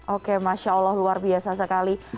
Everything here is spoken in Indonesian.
oke masya allah luar biasa sekali